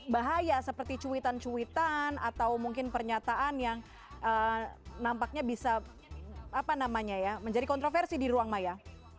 bahaya seperti cuitan cuitan atau mungkin pernyataan yang nampaknya bisa menjadi kontroversi di ruang maya